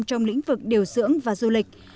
trong lĩnh vực điều dưỡng và du lịch